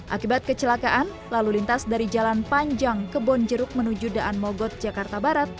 akibat kecelakaan lalu lintas dari jalan panjang kebonjeruk menuju daan mogot jakarta barat